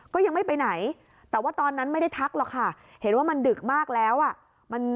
ก็ยังไม่ไปไหนแต่ว่าตอนนั้นไม่ได้ทักหรอกค่ะเห็นว่ามันดึกมากแล้วอ่ะ